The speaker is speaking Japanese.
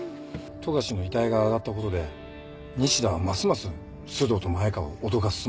富樫の遺体があがったことで西田はますます須藤と前川を脅かすつもりですよ。